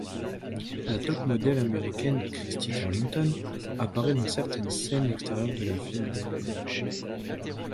La top model américaine Christy Turlington apparait dans certaines scènes extérieurs de la vidéo.